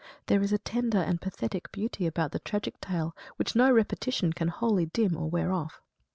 There is a tender and pathetic beauty about the tragic tale which no repetition can wholly dim or wear off.